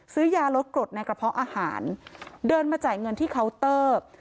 ซื้อยาลดกรดในกระเพาะอาหารเดินมาจ่ายเงินที่เคาน์เตอร์